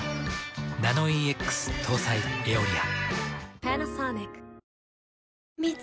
ナノイーＸ搭載「エオリア」。